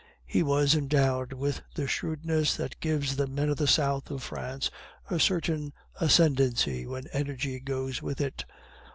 He was endowed with the shrewdness that gives the men of the south of France a certain ascendency when energy goes with it.